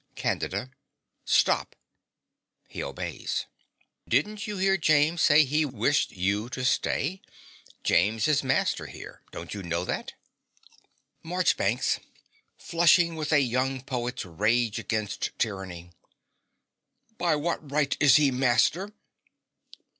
CANDIDA. Stop! (He obeys.) Didn't you hear James say he wished you to stay? James is master here. Don't you know that? MARCHBANKS (flushing with a young poet's rage against tyranny). By what right is he master?